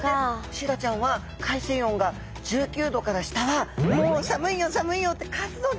シイラちゃんは海水温が１９度から下は「もう寒いよ寒いよ」って活動できないんです。